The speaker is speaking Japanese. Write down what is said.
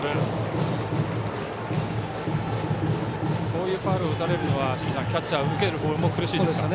こういうファウルを打たれるのは、キャッチャー受けるボールも苦しいですか。